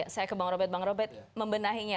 saya ke bang robet bang robet membenahinya